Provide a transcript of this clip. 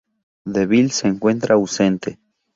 DeVille se encuentra ausente.